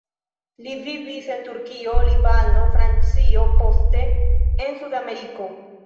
Li vivis en Turkio, Libano, Francio, poste en Sud-Ameriko.